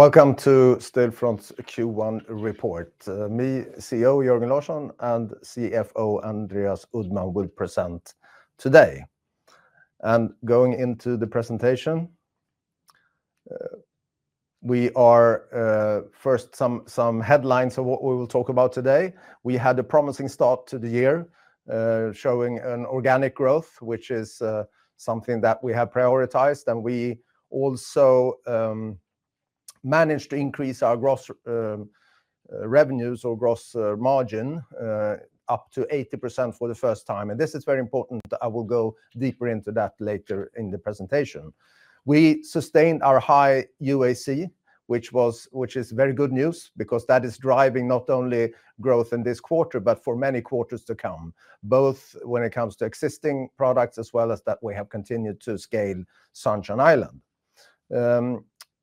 Welcome to Stillfront's Q1 report. Me, CEO Jörgen Larsson, and CFO Andreas Uddman will present today. Going into the presentation, we are first some headlines of what we will talk about today. We had a promising start to the year showing an organic growth, which is something that we have prioritized, and we also managed to increase our gross revenues or gross margin up to 80% for the first time. This is very important. I will go deeper into that later in the presentation. We sustained our high UAC, which is very good news because that is driving not only growth in this quarter but for many quarters to come, both when it comes to existing products as well as that we have continued to scale Sunshine Island.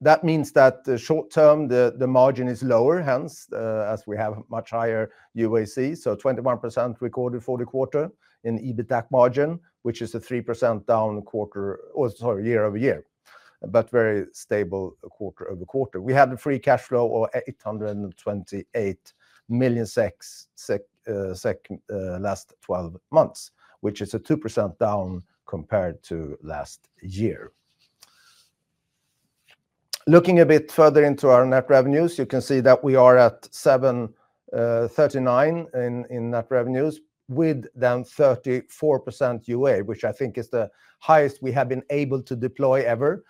That means that short-term the margin is lower, hence as we have much higher UAC, so 21% recorded for the quarter in EBITDA margin, which is a 3% down quarter or sorry, year-over-year, but very stable quarter-over-quarter. We had a free cash flow of 828 million SEK last 12 months, which is a 2% down compared to last year. Looking a bit further into our net revenues, you can see that we are at 739 million in net revenues with then 34% UA, which I think is the highest we have been able to deploy ever,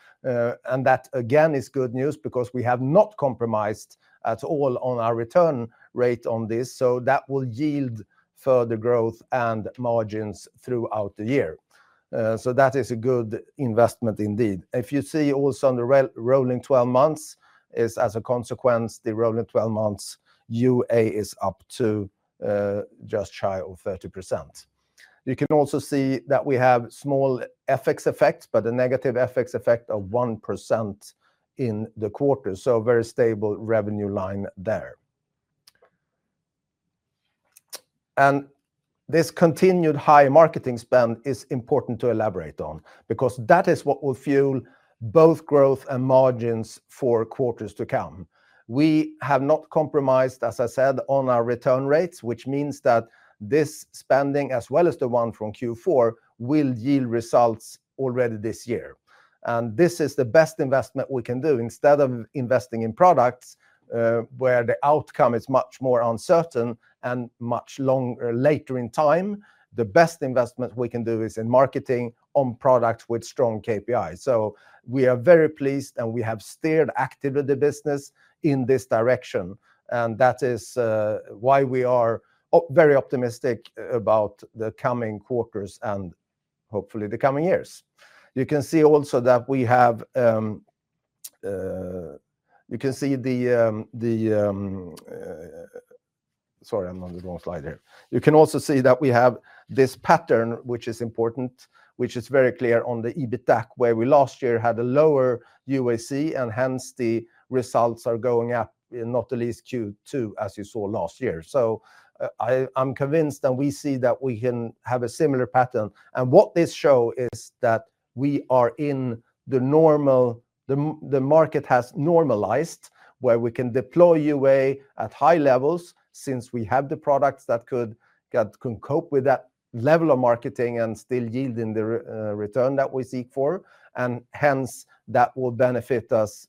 and that again is good news because we have not compromised at all on our return rate on this, so that will yield further growth and margins throughout the year. So that is a good investment indeed. If you see also on the rolling 12 months, as a consequence, the rolling 12 months UA is up to just shy of 30%. You can also see that we have small FX effects, but a negative FX effect of 1% in the quarter, so very stable revenue line there. This continued high marketing spend is important to elaborate on because that is what will fuel both growth and margins for quarters to come. We have not compromised, as I said, on our return rates, which means that this spending as well as the one from Q4 will yield results already this year, and this is the best investment we can do. Instead of investing in products where the outcome is much more uncertain and much later in time, the best investment we can do is in marketing on products with strong KPIs. So we are very pleased and we have steered actively the business in this direction, and that is why we are very optimistic about the coming quarters and hopefully the coming years. You can see also that we have. Sorry, I'm on the wrong slide here. You can also see that we have this pattern, which is important, which is very clear on the EBITDA where we last year had a lower UAC and hence the results are going up, not the least Q2 as you saw last year. So, I'm convinced and we see that we can have a similar pattern, and what this shows is that we are in the normal, the market has normalized where we can deploy UA at high levels since we have the products that could cope with that level of marketing and still yielding the return that we seek for, and hence that will benefit us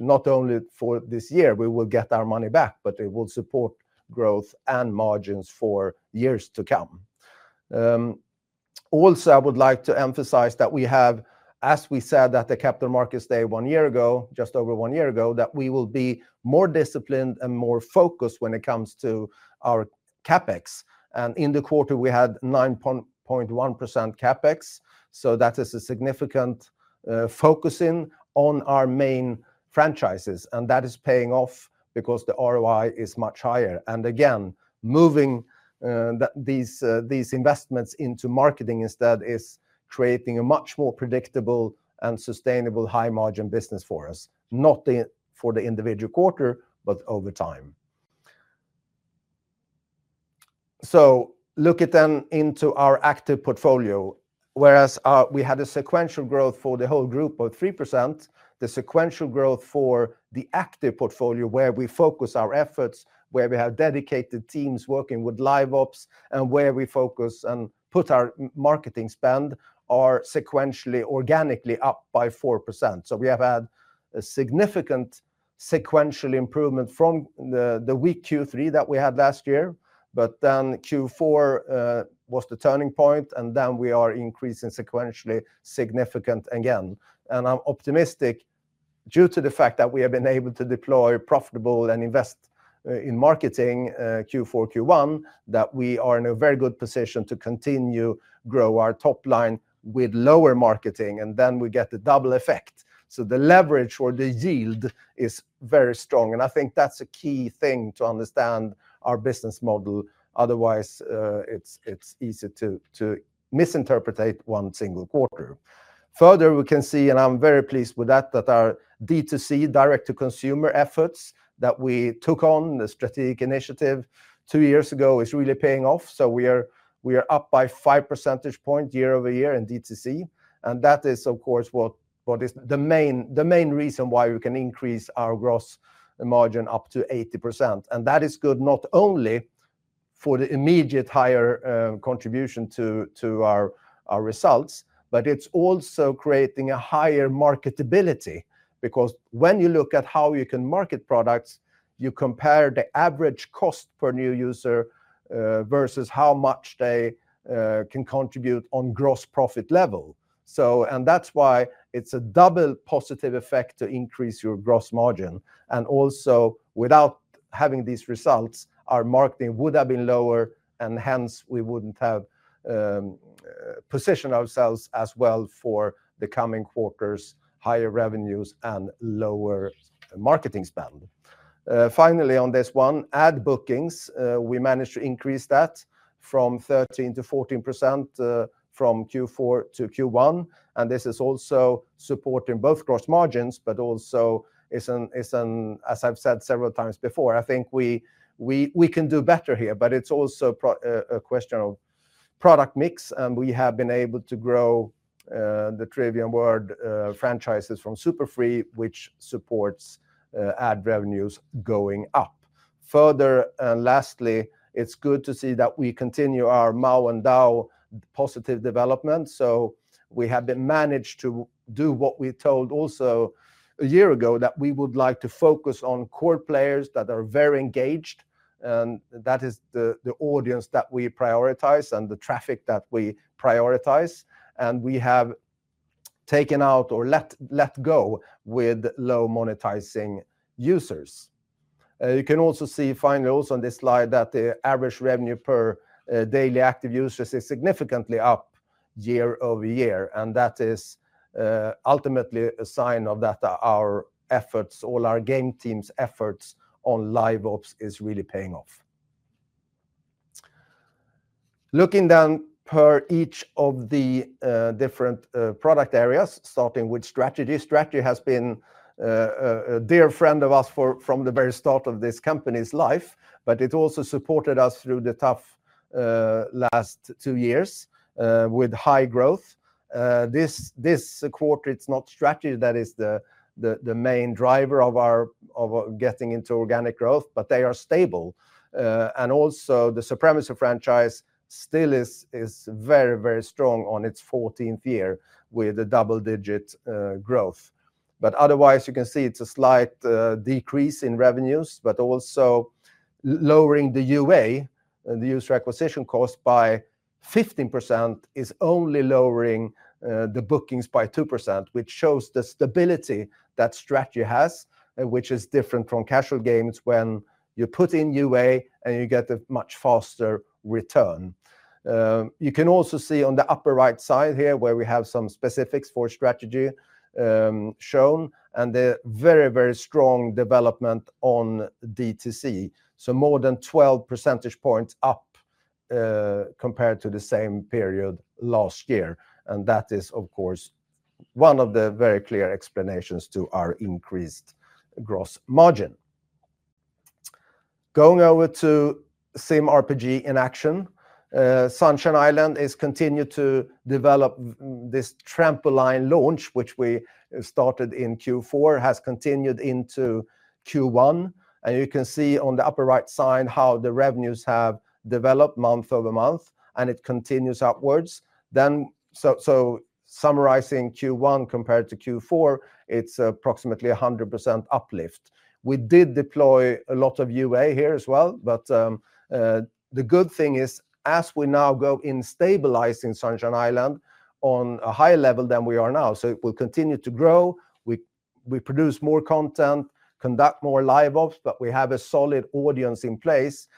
not only for this year, we will get our money back, but it will support growth and margins for years to come. Also, I would like to emphasize that we have, as we said at the Capital Markets Day one year ago, just over one year ago, that we will be more disciplined and more focused when it comes to our CapEx, and in the quarter we had 9.1% CapEx, so that is a significant focusing on our main franchises, and that is paying off because the ROI is much higher. And again, moving these investments into marketing instead is creating a much more predictable and sustainable high-margin business for us, not for the individual quarter but over time. So, look then into our active portfolio, whereas we had a sequential growth for the whole group of 3%, the sequential growth for the active portfolio where we focus our efforts, where we have dedicated teams working with Live Ops and where we focus and put our marketing spend are sequentially organically up by 4%. So we have had a significant sequential improvement from the weak Q3 that we had last year, but then Q4 was the turning point and then we are increasing sequentially significant again, and I'm optimistic due to the fact that we have been able to deploy profitable and invest in marketing Q4, Q1 that we are in a very good position to continue to grow our top line with lower marketing and then we get the double effect. The leverage or the yield is very strong, and I think that's a key thing to understand our business model, otherwise it's easy to misinterpret one single quarter. Further, we can see, and I'm very pleased with that, that our D2C, direct-to-consumer efforts that we took on, the strategic initiative two years ago, is really paying off, so we are up by 5 percentage points year-over-year in D2C, and that is of course what is the main reason why we can increase our gross margin up to 80%, and that is good not only for the immediate higher contribution to our results, but it's also creating a higher marketability because when you look at how you can market products, you compare the average cost per new user versus how much they can contribute on gross profit level, and that's why it's a double positive effect to increase your gross margin. And also, without having these results, our marketing would have been lower and hence we wouldn't have positioned ourselves as well for the coming quarters, higher revenues and lower marketing spend. Finally, on this one, ad bookings, we managed to increase that from 13%-14% from Q4 to Q1, and this is also supporting both gross margins, but also is an, as I've said several times before, I think we can do better here, but it's also a question of product mix and we have been able to grow the Narrative franchises from SuperFree, which supports ad revenues going up. Further and lastly, it's good to see that we continue our MAU and DAU positive development, so we have been managed to do what we told also a year ago that we would like to focus on core players that are very engaged, and that is the audience that we prioritize and the traffic that we prioritize, and we have taken out or let go with low monetizing users. You can also see finally also on this slide that the average revenue per daily active users is significantly up year-over-year, and that is ultimately a sign of that our efforts, all our game team's efforts on Live Ops is really paying off. Looking then per each of the different product areas, starting with strategy. Strategy has been a dear friend of us from the very start of this company's life, but it also supported us through the tough last two years with high growth. This quarter, it's not strategy that is the main driver of getting into organic growth, but they are stable, and also the Supremacy franchise still is very, very strong on its 14th year with a double-digit growth. But otherwise, you can see it's a slight decrease in revenues, but also lowering the UA, the user acquisition cost by 15%, is only lowering the bookings by 2%, which shows the stability that strategy has, which is different from casual games when you put in UA and you get a much faster return. You can also see on the upper right side here where we have some specifics for strategy shown and the very, very strong development on DTC, so more than 12 percentage points up compared to the same period last year, and that is of course one of the very clear explanations to our increased gross margin. Going over to SimRPG in action, Sunshine Island has continued to develop this trampoline launch, which we started in Q4, has continued into Q1, and you can see on the upper right side how the revenues have developed month-over-month and it continues upwards. Then, so summarizing Q1 compared to Q4, it's approximately 100% uplift. We did deploy a lot of UA here as well, but the good thing is as we now go in stabilizing Sunshine Island on a higher level than we are now, so it will continue to grow, we produce more content, conduct more live ops, but we have a solid audience in place.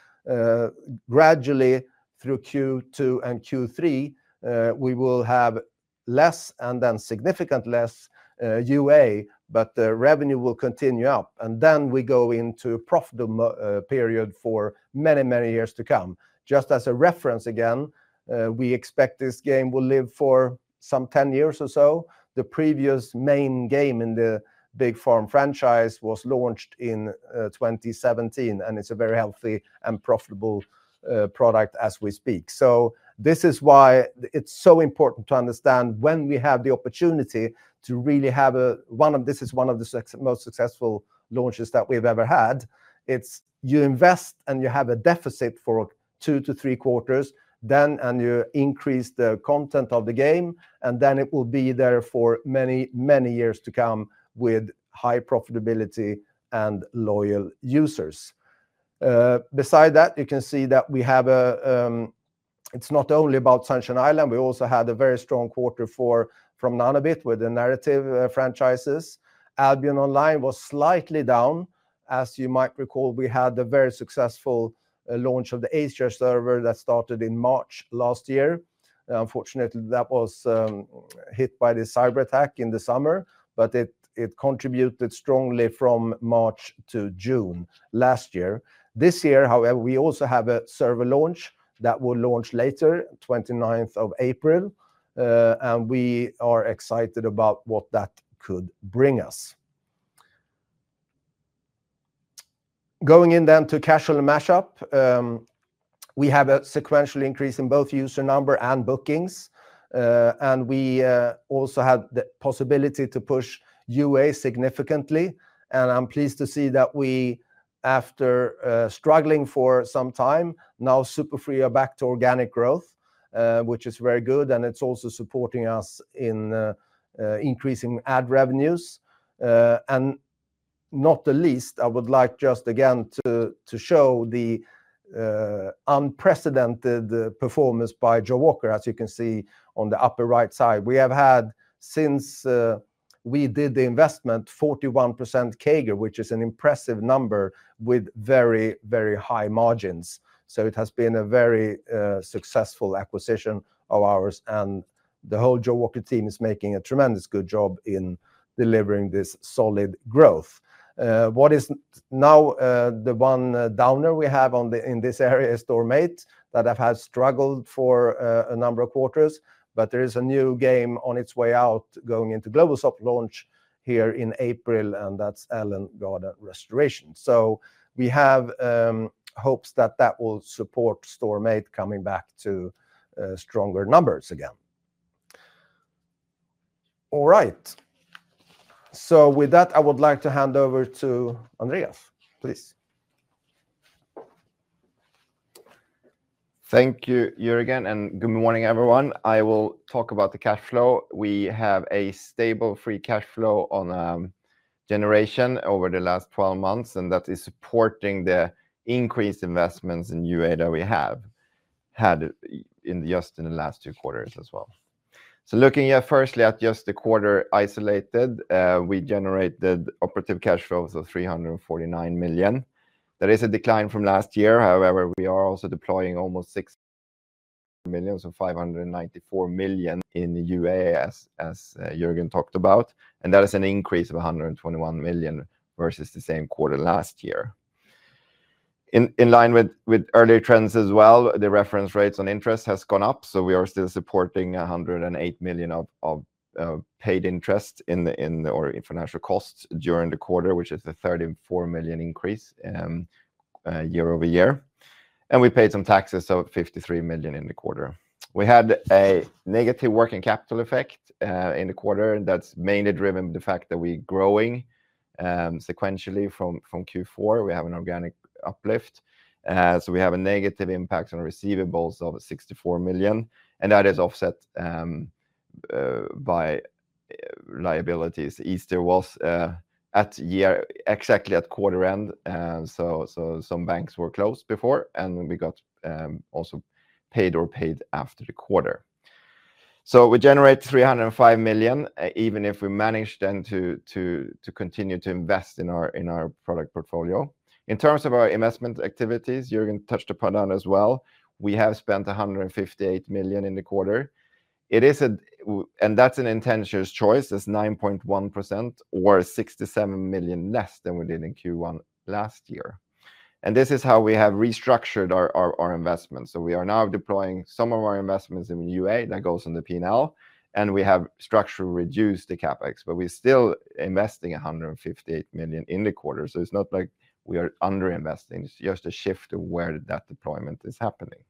Gradually through Q2 and Q3, we will have less and then significantly less UA, but the revenue will continue up, and then we go into a profitable period for many, many years to come. Just as a reference again, we expect this game will live for some 10 years or so. The previous main game in the Big Farm franchise was launched in 2017, and it's a very healthy and profitable product as we speak. So this is why it's so important to understand when we have the opportunity to really have a one of this is one of the most successful launches that we've ever had. It's you invest and you have a deficit for 2-3 quarters then, and you increase the content of the game, and then it will be there for many, many years to come with high profitability and loyal users. Besides that, you can see that we have. It's not only about Sunshine Island, we also had a very strong quarter from Nanobit with the narrative franchises. Albion Online was slightly down, as you might recall, we had the very successful launch of the Asia server that started in March last year. Unfortunately, that was hit by the cyberattack in the summer, but it contributed strongly from March to June last year. This year, however, we also have a server launch that will launch later, 29th of April, and we are excited about what that could bring us. Going in then to casual mashup, we have a sequential increase in both user number and bookings, and we also had the possibility to push UA significantly, and I'm pleased to see that we, after struggling for some time, now SuperFree are back to organic growth, which is very good, and it's also supporting us in increasing ad revenues. And not the least, I would like just again to show the unprecedented performance by Jawaker, as you can see on the upper right side. We have had, since we did the investment, 41% CAGR, which is an impressive number with very, very high margins, so it has been a very successful acquisition of ours, and the whole Jawaker team is making a tremendous, good job in delivering this solid growth. What is now the one downer we have in this area is Storm8 that have had struggled for a number of quarters, but there is a new game on its way out going into global soft launch here in April, and that's Ellen Garden Restoration. So we have hopes that that will support Storm8 coming back to stronger numbers again. All right, so with that, I would like to hand over to Andreas, please. Thank you, Jörgen, and good morning, everyone. I will talk about the cash flow. We have a stable free cash flow generation over the last 12 months, and that is supporting the increased investments in UA that we have had just in the last two quarters as well. So looking firstly at just the quarter isolated, we generated operating cash flows of 349 million. There is a decline from last year, however, we are also deploying almost 600 million, so 594 million in UA, as Jörgen talked about, and that is an increase of 121 million versus the same quarter last year. In line with earlier trends as well, the reference rates on interest have gone up, so we are still supporting 108 million of paid interest in the other financial costs during the quarter, which is a 34 million increase year-over-year, and we paid some taxes, so 53 million in the quarter. We had a negative working capital effect in the quarter that's mainly driven by the fact that we're growing sequentially from Q4. We have an organic uplift, so we have a negative impact on receivables of 64 million, and that is offset by liabilities. Easter was at year exactly at quarter end, so some banks were closed before, and we got also paid or paid after the quarter. So we generate 305 million even if we manage then to continue to invest in our product portfolio. In terms of our investment activities, Jörgen touched upon that as well, we have spent 158 million in the quarter. It is a, and that's an intentional choice, that's 9.1% or 67 million less than we did in Q1 last year. This is how we have restructured our investments, so we are now deploying some of our investments in UA that goes on the P&L, and we have structurally reduced the CapEx, but we're still investing 158 million in the quarter, so it's not like we are underinvesting. It's just a shift of where that deployment is happening.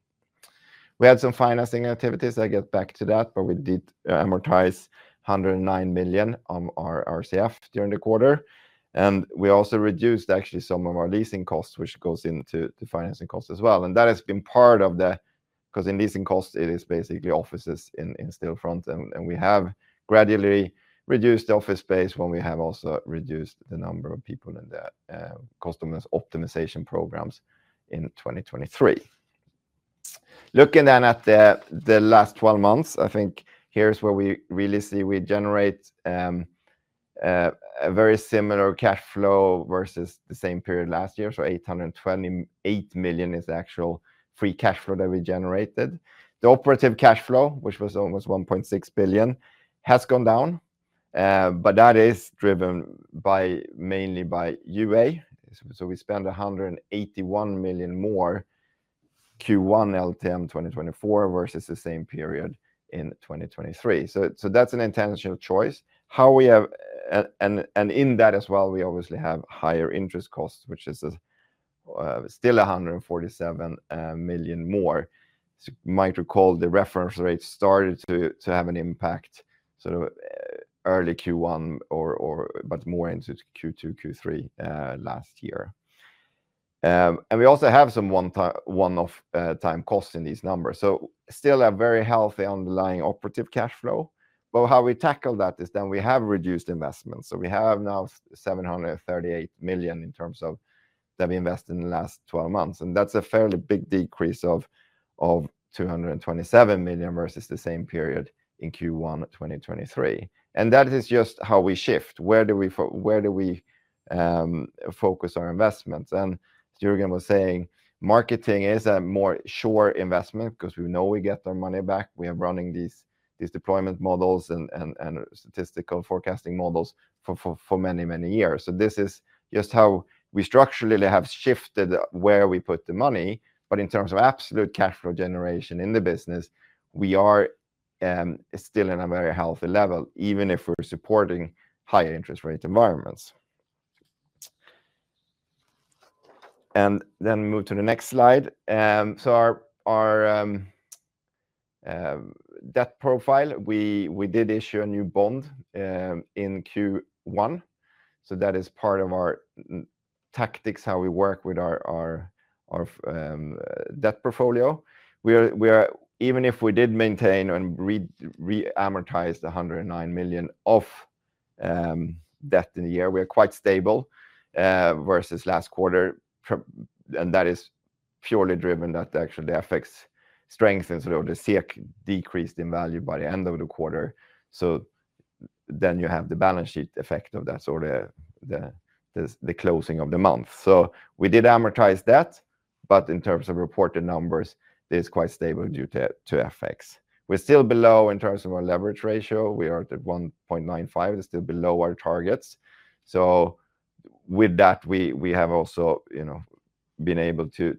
We had some financing activities. I'll get back to that, but we did amortize 109 million of our RCF during the quarter, and we also reduced actually some of our leasing costs, which goes into the financing costs as well, and that has been part of the because in leasing costs, it is basically offices in Stillfront, and we have gradually reduced the office space when we have also reduced the number of people in the customer optimization programs in 2023. Looking then at the last 12 months, I think here's where we really see we generate a very similar cash flow versus the same period last year, so 828 million is the actual free cash flow that we generated. The operative cash flow, which was almost 1.6 billion, has gone down, but that is driven mainly by UA, so we spend 181 million more Q1 LTM 2024 versus the same period in 2023. So that's an intentional choice. How we have, and in that as well, we obviously have higher interest costs, which is still 147 million more. As you might recall, the reference rates started to have an impact sort of early Q1 but more into Q2, Q3 last year. We also have some one-off time costs in these numbers, so still a very healthy underlying operating cash flow, but how we tackle that is then we have reduced investments, so we have now 738 million in terms of that we invested in the last 12 months, and that's a fairly big decrease of 227 million versus the same period in Q1 2023. And that is just how we shift. Where do we focus our investments? And as Jörgen was saying, marketing is a more sure investment because we know we get our money back. We are running these deployment models and statistical forecasting models for many, many years. So this is just how we structurally have shifted where we put the money, but in terms of absolute cash flow generation in the business, we are still in a very healthy level even if we're supporting higher interest rate environments. And then move to the next slide. So our debt profile, we did issue a new bond in Q1, so that is part of our tactics, how we work with our debt portfolio. Even if we did maintain and re-amortize the 109 million of debt in the year, we are quite stable versus last quarter, and that is purely driven that actually the FX strength and sort of the SEK decreased in value by the end of the quarter. So then you have the balance sheet effect of that sort of the closing of the month. So we did amortize debt, but in terms of reported numbers, it is quite stable due to FX. We're still below in terms of our leverage ratio. We are at 1.95. It's still below our targets. So with that, we have also been able to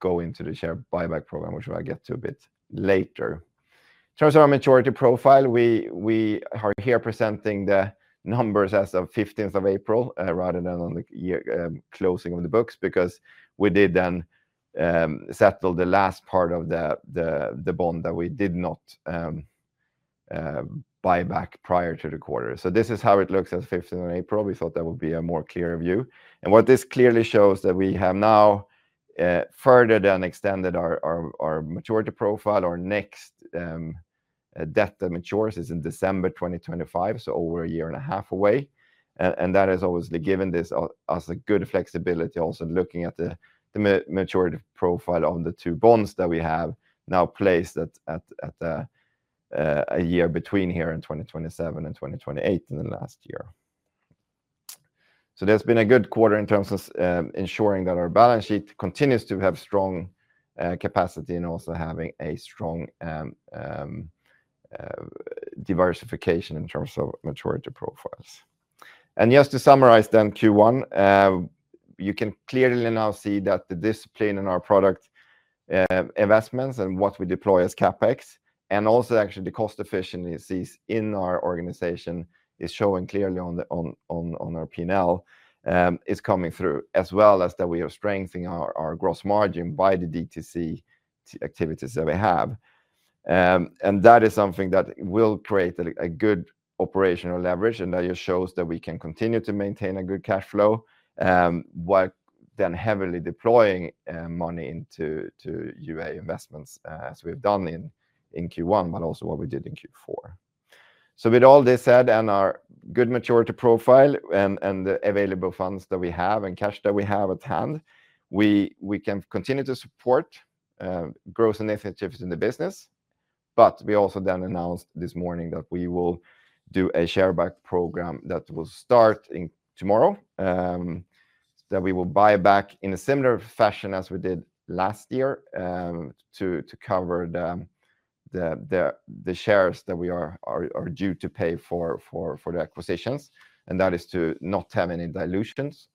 go into the share buyback program, which I'll get to a bit later. In terms of our maturity profile, we are here presenting the numbers as of 15th of April rather than on the year closing of the books because we did then settle the last part of the bond that we did not buy back prior to the quarter. So this is how it looks as 15th of April. We thought that would be a more clearer view. And what this clearly shows is that we have now further than extended our maturity profile. Our next debt that matures is in December 2025, so over-a-year and a half away. That has obviously given us a good flexibility also in looking at the maturity profile of the two bonds that we have now placed at a year between here in 2027 and 2028 in the last year. There's been a good quarter in terms of ensuring that our balance sheet continues to have strong capacity and also having a strong diversification in terms of maturity profiles. Just to summarize then Q1, you can clearly now see that the discipline in our product investments and what we deploy as CapEx, and also actually the cost efficiencies in our organization is showing clearly on our P&L, is coming through as well as that we are strengthening our gross margin by the DTC activities that we have. That is something that will create a good operational leverage and that just shows that we can continue to maintain a good cash flow while then heavily deploying money into UA investments as we've done in Q1, but also what we did in Q4. With all this said and our good maturity profile and the available funds that we have and cash that we have at hand, we can continue to support growth initiatives in the business. We also then announced this morning that we will do a share buyback program that will start tomorrow, that we will buy back in a similar fashion as we did last year to cover the shares that we are due to pay for the acquisitions, and that is to not have any dilutions.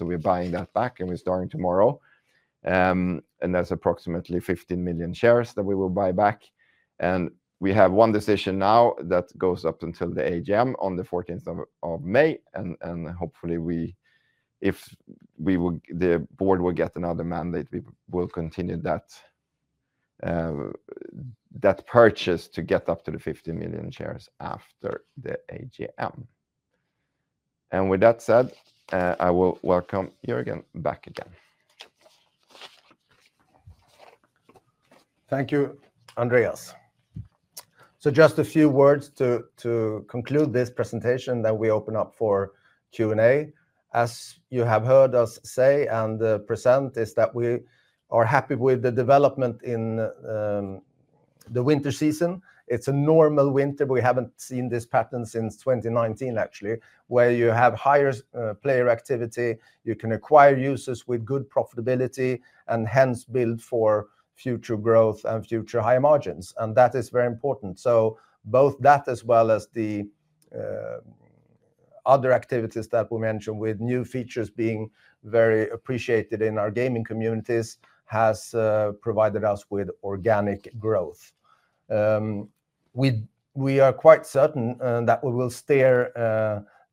We're buying that back and we're starting tomorrow. There's approximately 15 million shares that we will buy back. We have one decision now that goes up until the AGM on the 14th of May, and hopefully we, if the board will get another mandate, we will continue that purchase to get up to the 15 million shares after the AGM. With that said, I will welcome Jörgen back again. Thank you, Andreas. Just a few words to conclude this presentation then we open up for Q&A. As you have heard us say and present, is that we are happy with the development in the winter season. It's a normal winter. We haven't seen this pattern since 2019, actually, where you have higher player activity. You can acquire users with good profitability and hence build for future growth and future higher margins. That is very important. So both that as well as the other activities that we mentioned with new features being very appreciated in our gaming communities has provided us with organic growth. We are quite certain that we will steer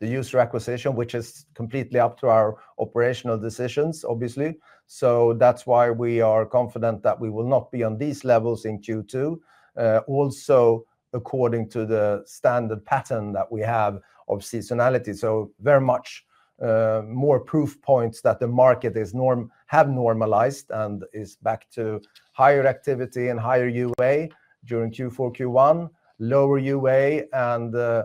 the user acquisition, which is completely up to our operational decisions, obviously. So that's why we are confident that we will not be on these levels in Q2, also according to the standard pattern that we have of seasonality. So very much more proof points that the market has normalized and is back to higher activity and higher UA during Q4, Q1, lower UA and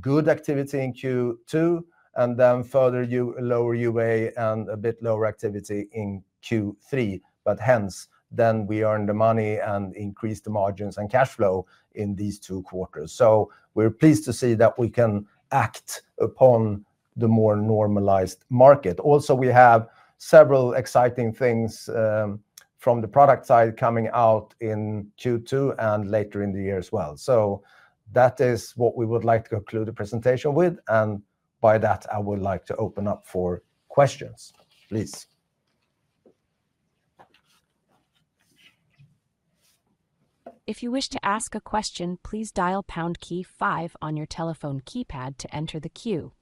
good activity in Q2, and then further lower UA and a bit lower activity in Q3. But hence then we earned the money and increased the margins and cash flow in these two quarters. So we're pleased to see that we can act upon the more normalized market. Also, we have several exciting things from the product side coming out in Q2 and later in the year as well. So that is what we would like to conclude the presentation with, and by that, I would like to open up for questions. Please. If you wish to ask a question, please dial pound key five on your telephone keypad to enter the queue.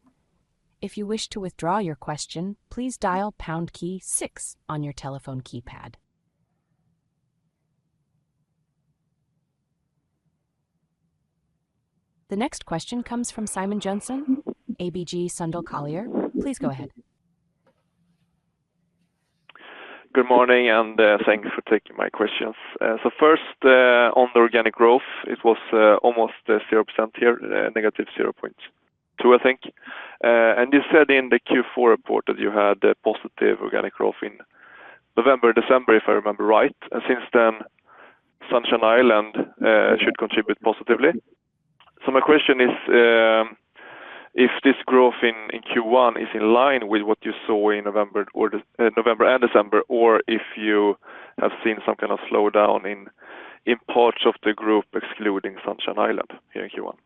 If you wish to withdraw your question, please dial pound key six on your telephone keypad. The next question comes from Simon Jönsson, ABG Sundal Collier. Please go ahead. Good morning and thanks for taking my questions. So first, on the organic growth, it was almost 0% here, -0.2%, I think. And you said in the Q4 report that you had positive organic growth in November, December, if I remember right, and since then, Sunshine Island should contribute positively. So my question is if this growth in Q1 is in line with what you saw in November and December, or if you have seen some kind of slowdown in parts of the group excluding Sunshine Island here in Q1.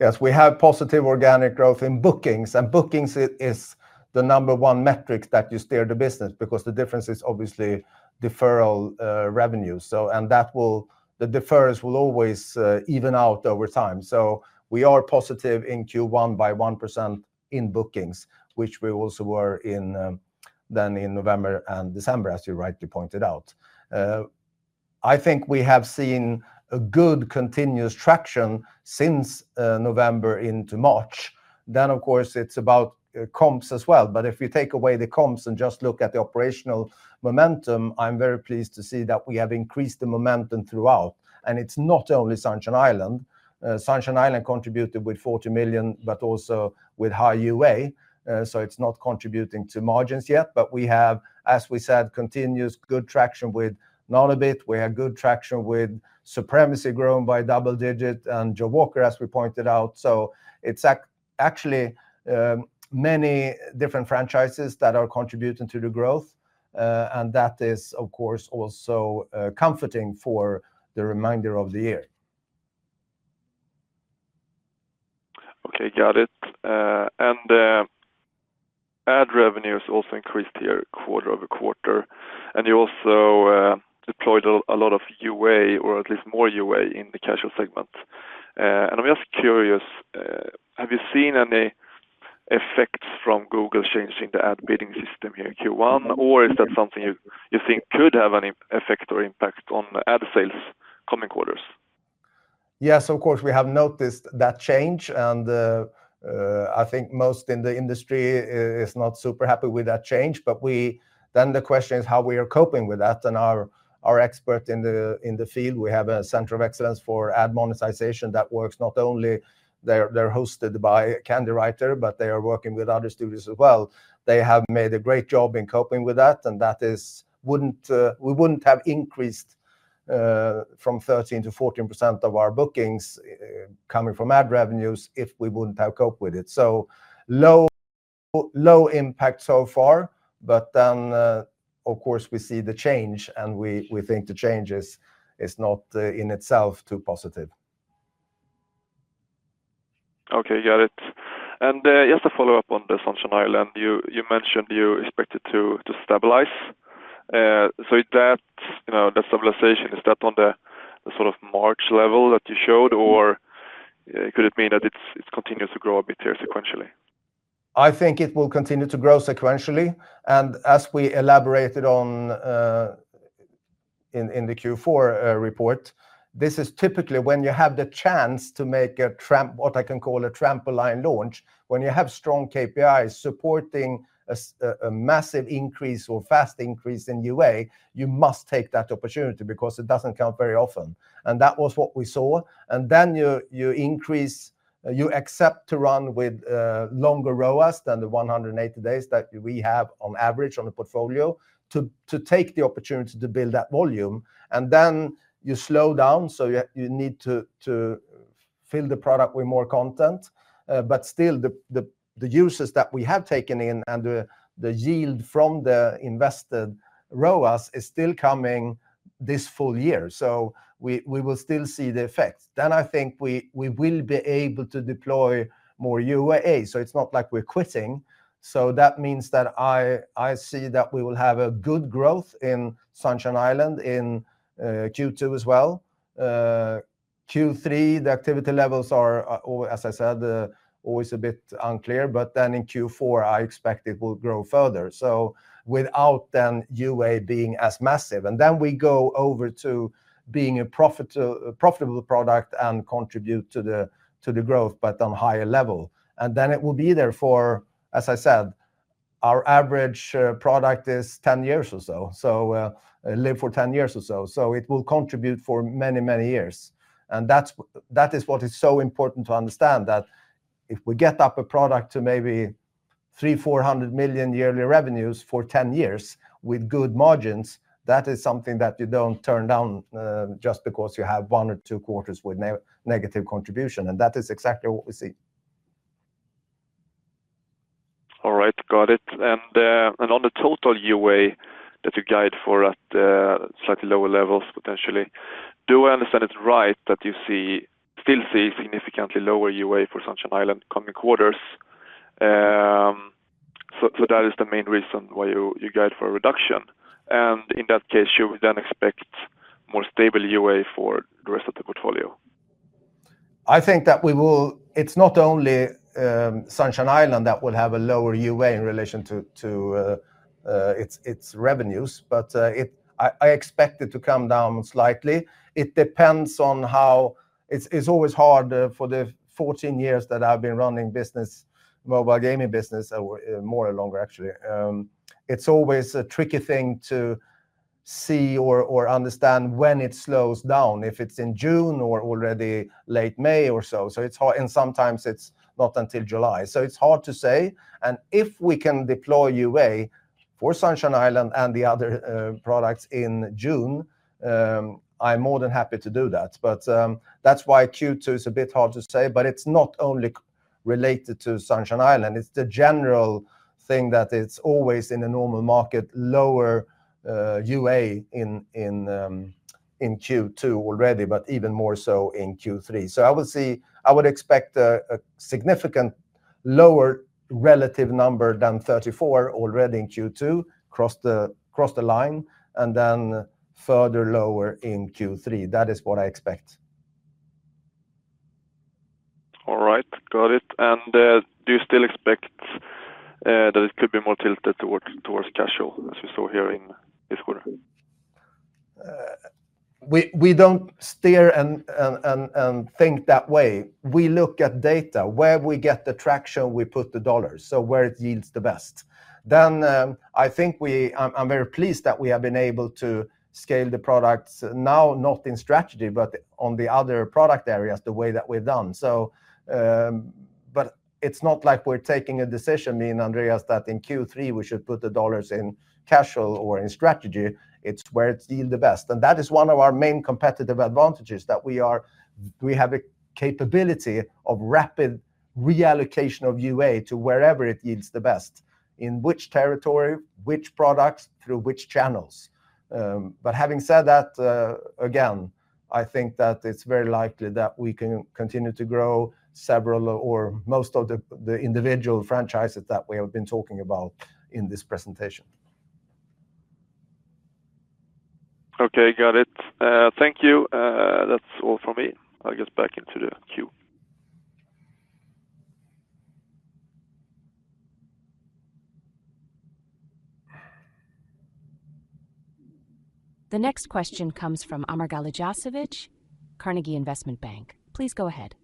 Yes, we have positive organic growth in bookings, and bookings is the number one metric that you steer the business because the difference is obviously deferral revenues, and the deferrals will always even out over time. So we are positive in Q1 by 1% in bookings, which we also were then in November and December, as you rightly pointed out. I think we have seen a good continuous traction since November into March. Then, of course, it's about comps as well, but if you take away the comps and just look at the operational momentum, I'm very pleased to see that we have increased the momentum throughout, and it's not only Sunshine Island. Sunshine Island contributed with 40 million, but also with high UA, so it's not contributing to margins yet. But we have, as we said, continuous good traction with Nanobit. We have good traction with Supremacy grown by double-digit and Goodgame, as we pointed out. So it's actually many different franchises that are contributing to the growth, and that is, of course, also comforting for the remainder of the year. Okay, got it. And ad revenue has also increased here quarter-over-quarter, and you also deployed a lot of UA, or at least more UA, in the casual segment. I'm just curious, have you seen any effects from Google changing the ad bidding system here in Q1, or is that something you think could have any effect or impact on ad sales coming quarters? Yes, of course, we have noticed that change, and I think most in the industry is not super happy with that change. Then the question is how we are coping with that, and our expert in the field, we have a Center of Excellence for Ad Monetization that works not only they're hosted by Candywriter, but they are working with other studios as well. They have made a great job in coping with that, and that is we wouldn't have increased from 13%-14% of our bookings coming from ad revenues if we wouldn't have coped with it. So low impact so far, but then, of course, we see the change, and we think the change is not in itself too positive. Okay, got it. And just to follow up on the Sunshine Island, you mentioned you expected to stabilize. So that stabilization, is that on the sort of March level that you showed, or could it mean that it continues to grow a bit here sequentially? I think it will continue to grow sequentially. And as we elaborated in the Q4 report, this is typically when you have the chance to make what I can call a trampoline launch. When you have strong KPIs supporting a massive increase or fast increase in UA, you must take that opportunity because it doesn't count very often, and that was what we saw. Then you accept to run with longer ROAS than the 180 days that we have on average on the portfolio to take the opportunity to build that volume, and then you slow down, so you need to fill the product with more content. But still, the users that we have taken in and the yield from the invested ROAS is still coming this full year, so we will still see the effect. Then I think we will be able to deploy more UA, so it's not like we're quitting. So that means that I see that we will have a good growth in Sunshine Island in Q2 as well. Q3, the activity levels are, as I said, always a bit unclear, but then in Q4, I expect it will grow further without then UA being as massive. And then we go over to being a profitable product and contribute to the growth, but on a higher level. And then it will be there for, as I said, our average product is 10 years or so, so live for 10 years or so. So it will contribute for many, many years. And that is what is so important to understand, that if we get up a product to maybe 300 million-400 million yearly revenues for 10 years with good margins, that is something that you don't turn down just because you have one or two quarters with negative contribution, and that is exactly what we see. All right, got it. And on the total UA that you guide for at slightly lower levels, potentially, do I understand it right that you still see significantly lower UA for Sunshine Island coming quarters? So that is the main reason why you guide for a reduction. And in that case, should we then expect more stable UA for the rest of the portfolio? I think that we will. It's not only Sunshine Island that will have a lower UA in relation to its revenues, but I expect it to come down slightly. It depends on how it's always hard for the 14 years that I've been running mobile gaming business, more or longer, actually. It's always a tricky thing to see or understand when it slows down, if it's in June or already late May or so. And sometimes it's not until July. So it's hard to say. And if we can deploy UA for Sunshine Island and the other products in June, I'm more than happy to do that. But that's why Q2 is a bit hard to say, but it's not only related to Sunshine Island. It's the general thing that it's always in the normal market, lower UA in Q2 already, but even more so in Q3. So I would expect a significant lower relative number than 34 already in Q2, cross the line, and then further lower in Q3. That is what I expect. All right, got it. And do you still expect that it could be more tilted towards casual as we saw here in this quarter? We don't steer and think that way. We look at data. Where we get the traction, we put the dollars, so where it yields the best. Then I think I'm very pleased that we have been able to scale the products now, not in strategy, but on the other product areas, the way that we've done. But it's not like we're taking a decision, me and Andreas, that in Q3 we should put the dollars in casual or in strategy. It's where it's yielded best, and that is one of our main competitive advantages, that we have a capability of rapid reallocation of UA to wherever it yields the best, in which territory, which products, through which channels. But having said that, again, I think that it's very likely that we can continue to grow several or most of the individual franchises that we have been talking about in this presentation. Okay, got it. Thank you. That's all from me. I'll get back into the queue. The next question comes from Amir Galijatovic, Carnegie Investment Bank. Please go ahead.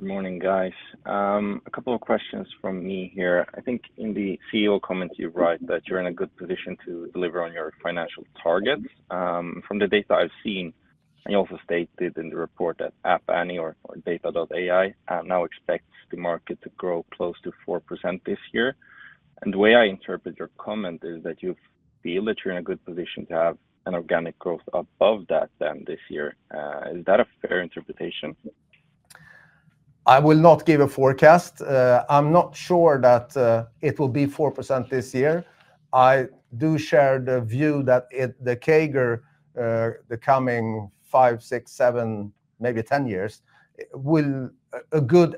Good morning, guys. A couple of questions from me here. I think in the CEO comments you write that you're in a good position to deliver on your financial targets. From the data I've seen, and you also stated in the report that App Annie or data.ai now expects the market to grow close to 4% this year. The way I interpret your comment is that you feel that you're in a good position to have an organic growth above that then this year. Is that a fair interpretation? I will not give a forecast. I'm not sure that it will be 4% this year. I do share the view that the CAGR, the coming five, six, seven, maybe 10 years, a good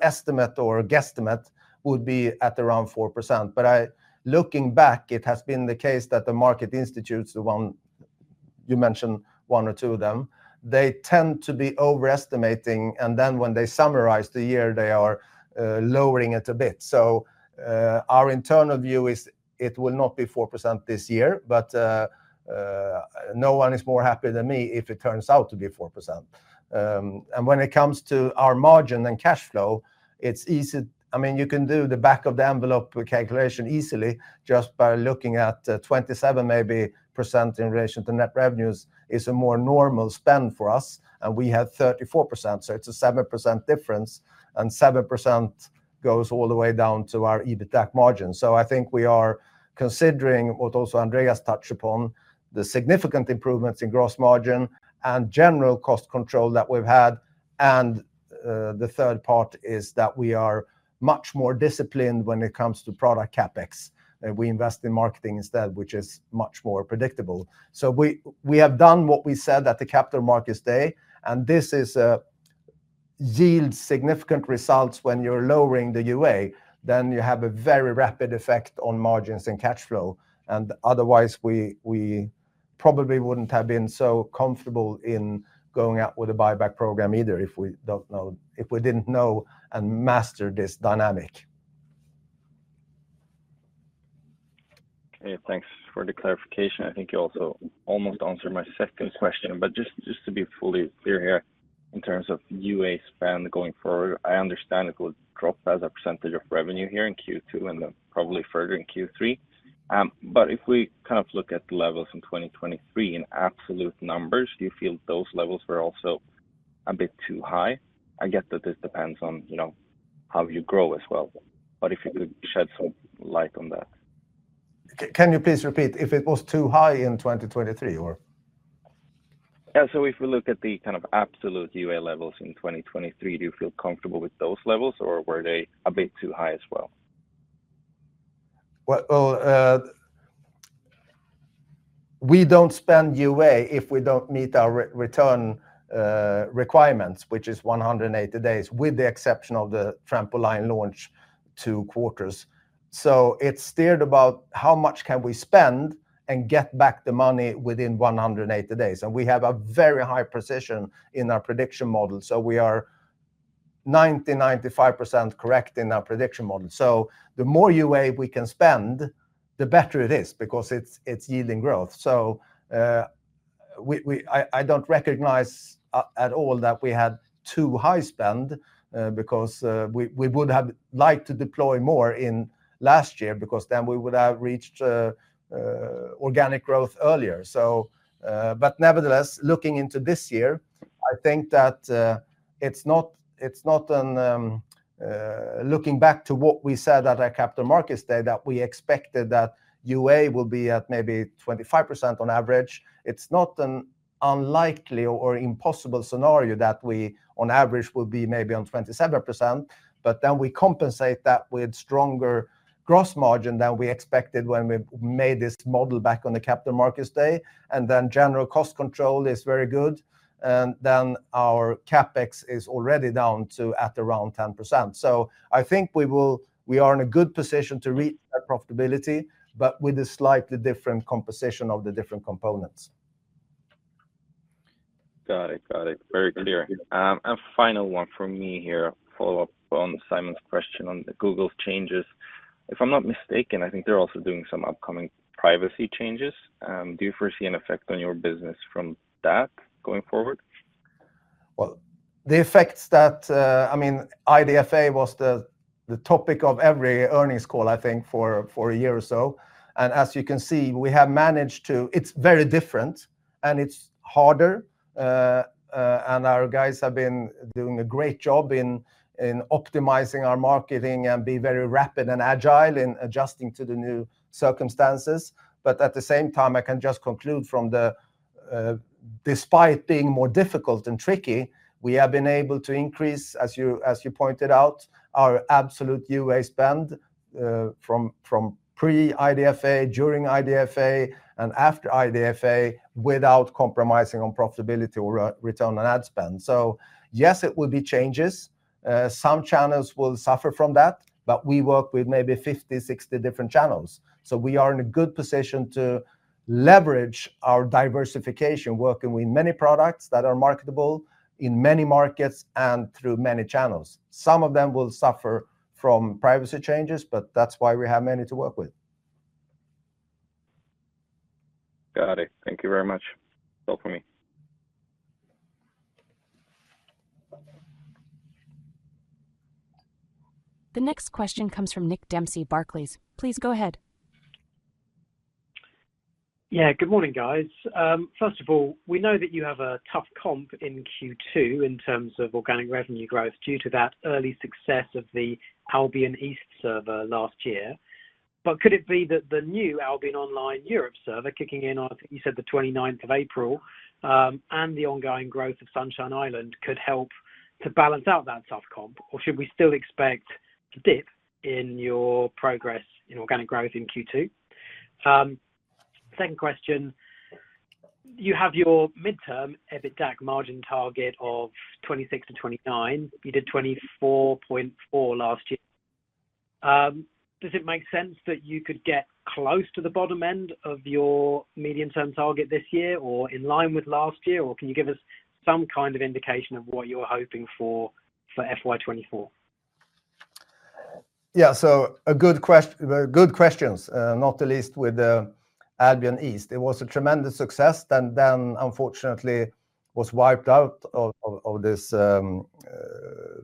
estimate or guesstimate would be at around 4%. But looking back, it has been the case that the market institutes, the one you mentioned, one or two of them, they tend to be overestimating, and then when they summarize the year, they are lowering it a bit. So our internal view is it will not be 4% this year, but no one is more happy than me if it turns out to be 4%. And when it comes to our margin and cash flow, it's easy. I mean, you can do the back-of-the-envelope calculation easily just by looking at 27%, maybe, in relation to net revenues is a more normal spend for us, and we have 34%, so it's a 7% difference, and 7% goes all the way down to our EBITDA margin. So I think we are considering what also Andreas touched upon, the significant improvements in gross margin and general cost control that we've had. And the third part is that we are much more disciplined when it comes to product CapEx. We invest in marketing instead, which is much more predictable. So we have done what we said at the Capital Markets Day, and this is yields significant results when you're lowering the UA, then you have a very rapid effect on margins and cash flow. And otherwise, we probably wouldn't have been so comfortable in going out with a buyback program either if we didn't know and master this dynamic. Okay, thanks for the clarification. I think you also almost answered my second question, but just to be fully clear here, in terms of UA spend going forward, I understand it will drop as a percentage of revenue here in Q2 and then probably further in Q3. But if we kind of look at the levels in 2023 in absolute numbers, do you feel those levels were also a bit too high? I get that this depends on how you grow as well, but if you could shed some light on that. Can you please repeat? If it was too high in 2023, or? Yeah, so if we look at the kind of absolute UA levels in 2023, do you feel comfortable with those levels, or were they a bit too high as well? Well, we don't spend UA if we don't meet our return requirements, which is 180 days, with the exception of the trampoline launch two quarters. So it's steered about how much can we spend and get back the money within 180 days. We have a very high precision in our prediction model, so we are 90%-95% correct in our prediction model. So the more UA we can spend, the better it is because it's yielding growth. So I don't recognize at all that we had too high spend because we would have liked to deploy more in last year because then we would have reached organic growth earlier. But nevertheless, looking into this year, I think that it's not looking back to what we said at our Capital Markets Day that we expected that UA will be at maybe 25% on average. It's not an unlikely or impossible scenario that we, on average, will be maybe on 27%, but then we compensate that with stronger gross margin than we expected when we made this model back on the Capital Markets Day. General cost control is very good, and then our CapEx is already down to around 10%. So I think we are in a good position to reach that profitability, but with a slightly different composition of the different components. Got it, got it. Very clear. And final one from me here, follow-up on Simon's question on the Google changes. If I'm not mistaken, I think they're also doing some upcoming privacy changes. Do you foresee an effect on your business from that going forward? Well, the effects that I mean, IDFA was the topic of every earnings call, I think, for a year or so. And as you can see, we have managed to it's very different, and it's harder. And our guys have been doing a great job in optimizing our marketing and being very rapid and agile in adjusting to the new circumstances. But at the same time, I can just conclude from the despite being more difficult and tricky, we have been able to increase, as you pointed out, our absolute UA spend from pre-IDFA, during IDFA, and after IDFA without compromising on profitability or return on ad spend. So yes, it will be changes. Some channels will suffer from that, but we work with maybe 50, 60 different channels. So we are in a good position to leverage our diversification, working with many products that are marketable in many markets and through many channels. Some of them will suffer from privacy changes, but that's why we have many to work with. Got it. Thank you very much. All for me. The next question comes from Nick Dempsey, Barclays. Please go ahead. Yeah, good morning, guys. First of all, we know that you have a tough comp in Q2 in terms of organic revenue growth due to that early success of the Albion East server last year. But could it be that the new Albion Online Europe server, kicking in on, I think you said, the 29th of April, and the ongoing growth of Sunshine Island could help to balance out that tough comp, or should we still expect a dip in your progress in organic growth in Q2? Second question, you have your midterm EBITDA margin target of 26%-29%. You did 24.4% last year. Does it make sense that you could get close to the bottom end of your midterm target this year or in line with last year, or can you give us some kind of indication of what you're hoping for for FY 2024? Yeah, so good questions, not the least with Albion East. It was a tremendous success and then, unfortunately, was wiped out of this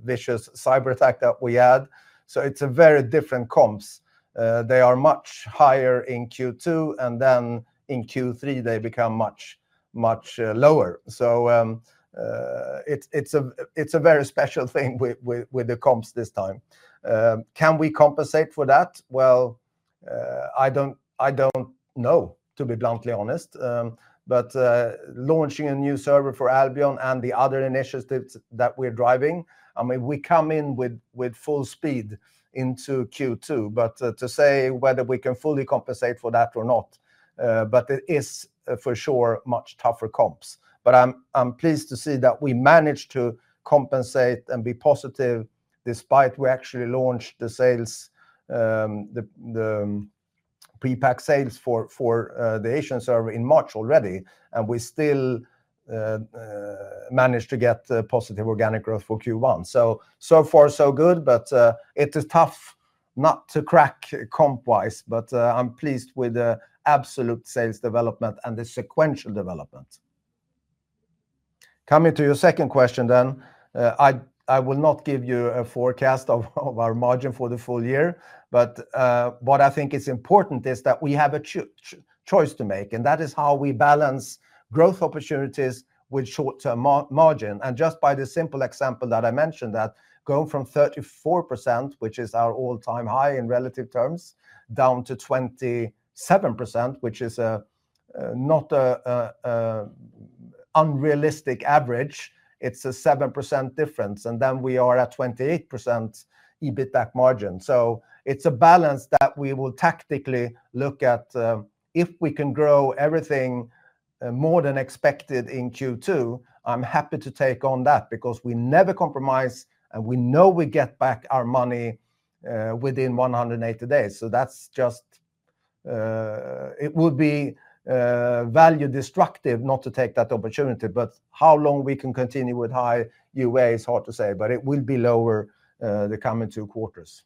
vicious cyber attack that we had. So it's very different comps. They are much higher in Q2, and then in Q3, they become much, much lower. So it's a very special thing with the comps this time. Can we compensate for that? Well, I don't know, to be bluntly honest. But launching a new server for Albion and the other initiatives that we're driving, I mean, we come in with full speed into Q2, but to say whether we can fully compensate for that or not, but it is for sure much tougher comps. But I'm pleased to see that we managed to compensate and be positive despite we actually launched the prepacked sales for the Asian server in March already, and we still managed to get positive organic growth for Q1. So far, so good, but it is tough not to crack comp-wise. But I'm pleased with the absolute sales development and the sequential development. Coming to your second question then, I will not give you a forecast of our margin for the full year, but what I think is important is that we have a choice to make, and that is how we balance growth opportunities with short-term margin. And just by the simple example that I mentioned, that going from 34%, which is our all-time high in relative terms, down to 27%, which is not an unrealistic average. It's a 7% difference, and then we are at 28% EBITDA margin. So it's a balance that we will tactically look at. If we can grow everything more than expected in Q2, I'm happy to take on that because we never compromise, and we know we get back our money within 180 days. So that's just it. It would be value destructive not to take that opportunity, but how long we can continue with high UA is hard to say, but it will be lower the coming two quarters.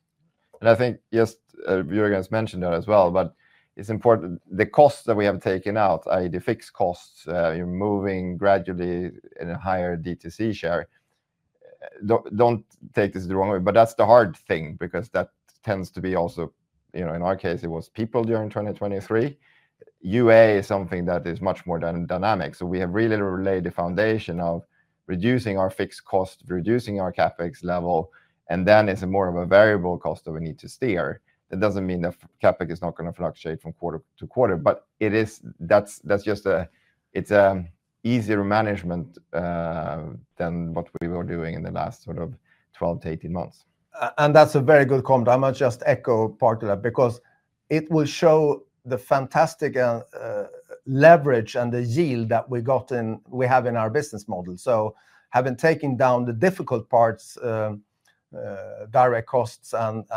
And I think just you guys mentioned that as well, but it's important the costs that we have taken out, i.e., the fixed costs, you're moving gradually in a higher DTC share. Don't take this the wrong way, but that's the hard thing because that tends to be also in our case, it was people during 2023. UA is something that is much more dynamic, so we have really laid the foundation of reducing our fixed cost, reducing our CapEx level, and then it's more of a variable cost that we need to steer. That doesn't mean that CapEx is not going to fluctuate from quarter-to-quarter, but it is. That's just easier management than what we were doing in the last sort of 12-18 months. That's a very good comp. I might just echo part of that because it will show the fantastic leverage and the yield that we have in our business model. Having taken down the difficult parts, direct costs and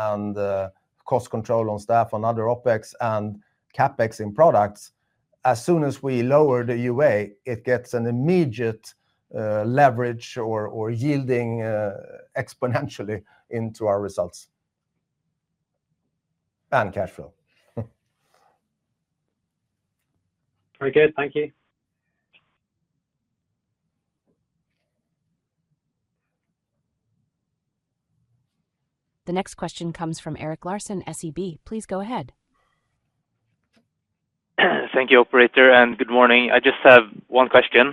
cost control on staff and other OPEX and CapEx in products, as soon as we lower the UA, it gets an immediate leverage or yielding exponentially into our results and cash flow. Very good. Thank you. The next question comes from Eric Larsen, SEB. Please go ahead. Thank you, operator, and good morning. I just have one question.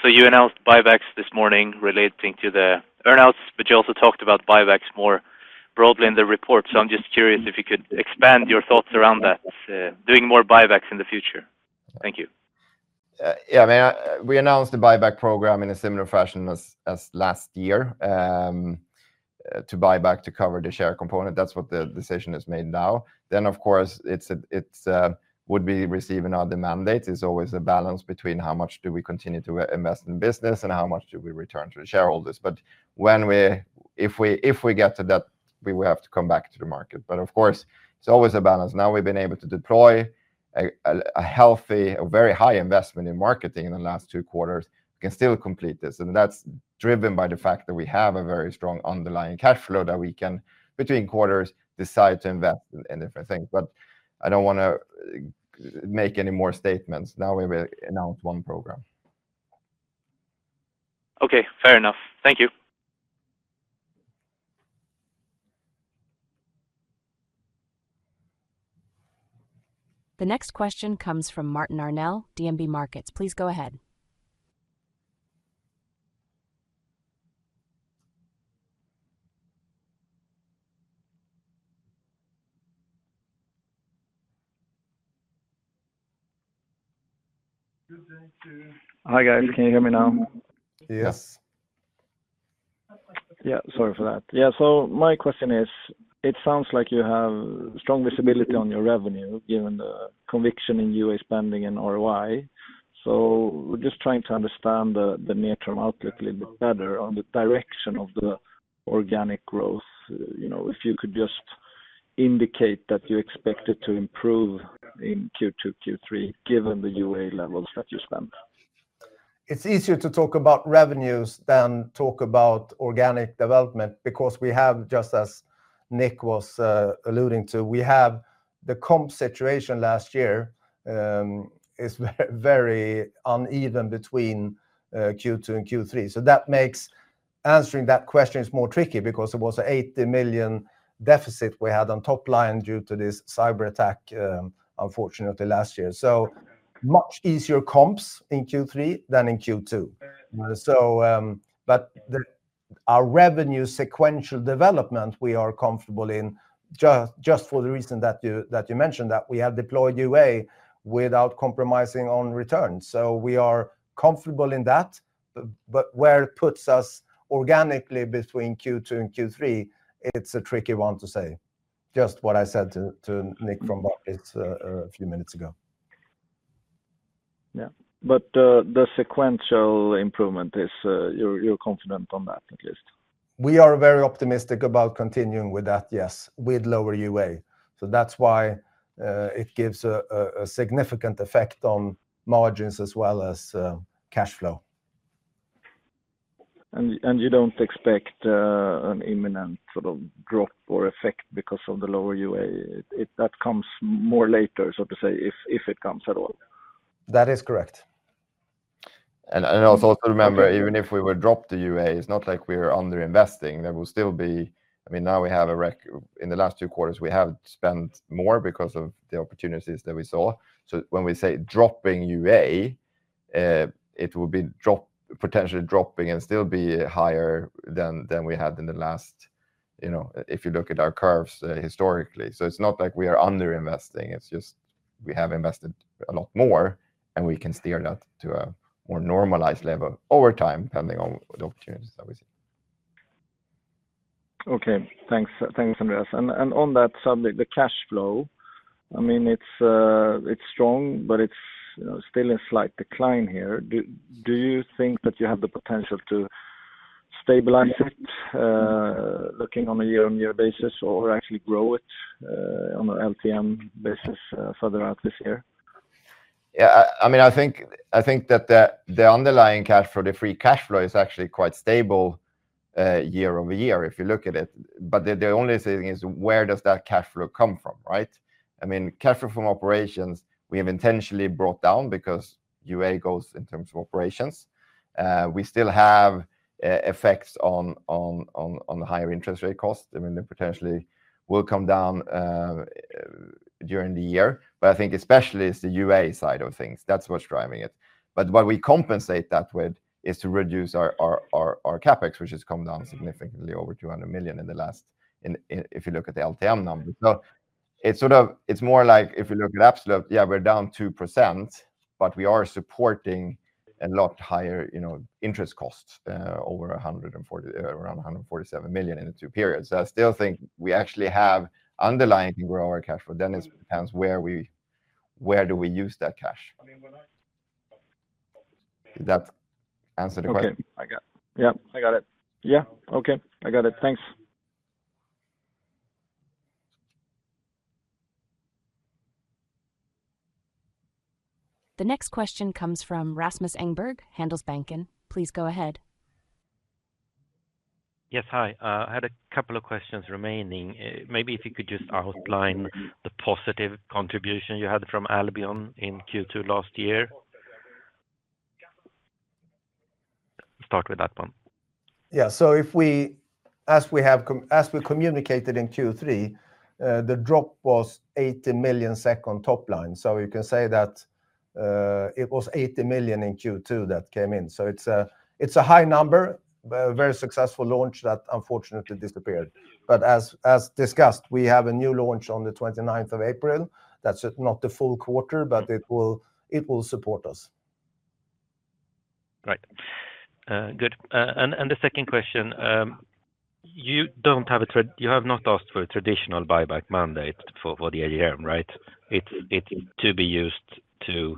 So you announced buybacks this morning relating to the earnouts, but you also talked about buybacks more broadly in the report. So I'm just curious if you could expand your thoughts around that, doing more buybacks in the future. Thank you. Yeah, I mean, we announced the buyback program in a similar fashion as last year to buy back to cover the share component. That's what the decision is made now. Then, of course, it would be receiving other mandates. It's always a balance between how much do we continue to invest in business and how much do we return to the shareholders. But if we get to that, we will have to come back to the market. But of course, it's always a balance. Now we've been able to deploy a healthy, a very high investment in marketing in the last two quarters. We can still complete this, and that's driven by the fact that we have a very strong underlying cash flow that we can, between quarters, decide to invest in different things. But I don't want to make any more statements. Now we will announce one program. Okay, fair enough. Thank you. The next question comes from Martin Arnell, DNB Markets. Please go ahead. Hi, guys. Can you hear me now? Yes. Yeah, sorry for that. Yeah, so my question is, it sounds like you have strong visibility on your revenue given the conviction in UA spending and ROI. So we're just trying to understand the near-term outlook a little bit better on the direction of the organic growth. If you could just indicate that you expect it to improve in Q2, Q3 given the UA levels that you spent. It's easier to talk about revenues than talk about organic development because we have, just as Nick was alluding to, we have the comp situation last year is very uneven between Q2 and Q3. So that makes answering that question more tricky because it was a 80 million deficit we had on top line due to this cyber attack, unfortunately, last year. So much easier comps in Q3 than in Q2. But our revenue sequential development, we are comfortable in just for the reason that you mentioned, that we have deployed UA without compromising on returns. So we are comfortable in that. But where it puts us organically between Q2 and Q3, it's a tricky one to say, just what I said to Nick from Barclays a few minutes ago. Yeah, but the sequential improvement is you're confident on that at least. We are very optimistic about continuing with that, yes, with lower UA. So that's why it gives a significant effect on margins as well as cash flow. And you don't expect an imminent sort of drop or effect because of the lower UA? That comes more later, so to say, if it comes at all. That is correct. And also remember, even if we were dropped the UA, it's not like we're underinvesting. There will still be, I mean, now we have a record in the last two quarters, we have spent more because of the opportunities that we saw. So when we say dropping UA, it will be potentially dropping and still be higher than we had in the last if you look at our curves historically. So it's not like we are underinvesting. It's just we have invested a lot more, and we can steer that to a more normalized level over time depending on the opportunities that we see. Okay, thanks. Thanks, Andreas. On that subject, the cash flow, I mean, it's strong, but it's still in slight decline here. Do you think that you have the potential to stabilize it looking on a year-on-year basis or actually grow it on an LTM basis further out this year? Yeah, I mean, I think that the underlying cash flow, the free cash flow, is actually quite stable year-over-year if you look at it. But the only thing is where does that cash flow come from, right? I mean, cash flow from operations, we have intentionally brought down because UA goes in terms of operations. We still have effects on the higher interest rate cost. I mean, they potentially will come down during the year, but I think especially it's the UA side of things. That's what's driving it. But what we compensate that with is to reduce our CapEx, which has come down significantly over 200 million in the last if you look at the LTM number. So it's sort of it's more like if you look at absolute, yeah, we're down 2%, but we are supporting a lot higher interest costs over around 147 million in the two periods. So I still think we actually have underlying can grow our cash flow. Then it depends where do we use that cash. I mean, when I did that answer the question. Okay, I got. Yep, I got it. Yeah, okay, I got it. Thanks. The next question comes from Rasmus Engberg, Handelsbanken. Please go ahead. Yes, hi. I had a couple of questions remaining. Maybe if you could just outline the positive contribution you had from Albion in Q2 last year. Start with that one. Yeah, so as we communicated in Q3, the drop was 80 million SEK top line. So you can say that it was 80 million in Q2 that came in. So it's a high number, a very successful launch that unfortunately disappeared. But as discussed, we have a new launch on the 29th of April. That's not the full quarter, but it will support us. Right. Good. And the second question, you don't have a you have not asked for a traditional buyback mandate for the AGM, right? It's to be used to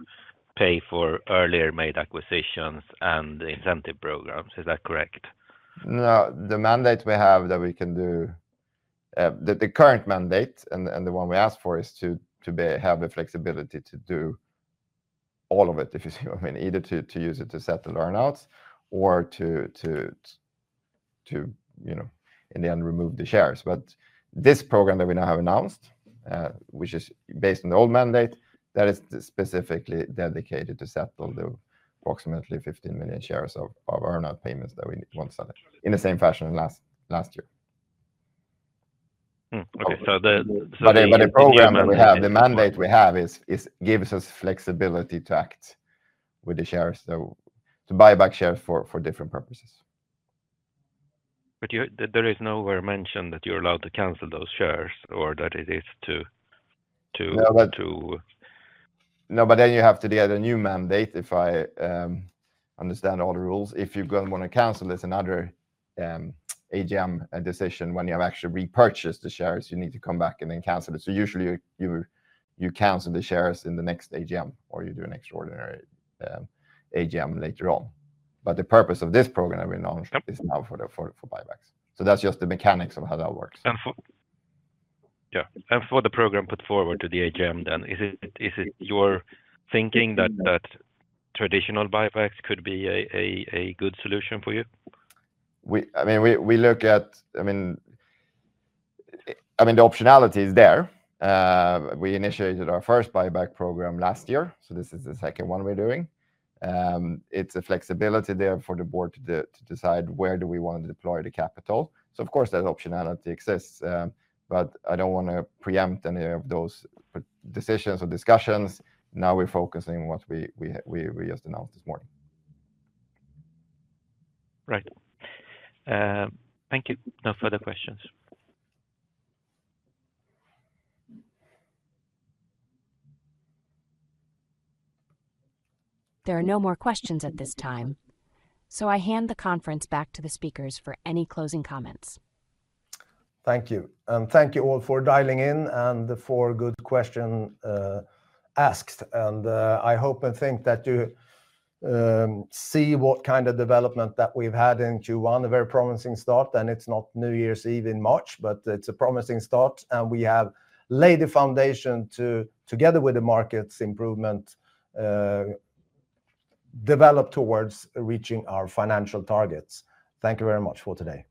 pay for earlier made acquisitions and incentive programs. Is that correct? No, the mandate we have that we can do the current mandate and the one we asked for is to have the flexibility to do all of it, if you see what I mean, either to use it to settle earnouts or to, in the end, remove the shares. But this program that we now have announced, which is based on the old mandate, that is specifically dedicated to settle the approximately 15 million shares of earnout payments that we once had in the same fashion last year. Okay, so. But the program that we have, the mandate we have gives us flexibility to act with the shares, to buy back shares for different purposes. But there is nowhere mentioned that you're allowed to cancel those shares or that it is to. No, but then you have to get a new mandate if I understand all the rules. If you're going to want to cancel, it's another AGM decision. When you have actually repurchased the shares, you need to come back and then cancel it. So usually, you cancel the shares in the next AGM or you do an extraordinary AGM later on. But the purpose of this program that we announced is now for buybacks. So that's just the mechanics of how that works. Yeah, and for the program put forward to the AGM then, is it your thinking that traditional buybacks could be a good solution for you? I mean, we look at I mean, the optionality is there. We initiated our first buyback program last year, so this is the second one we're doing. It's a flexibility there for the board to decide where do we want to deploy the capital. So of course, that optionality exists, but I don't want to preempt any of those decisions or discussions. Now we're focusing on what we just announced this morning. Right. Thank you. No further questions. There are no more questions at this time, so I hand the conference back to the speakers for any closing comments. Thank you. Thank you all for dialing in and for good questions asked. I hope and think that you see what kind of development that we've had in Q1. A very promising start, and it's not New Year's Eve in March, but it's a promising start. We have laid the foundation to, together with the market's improvement, develop towards reaching our financial targets. Thank you very much for today.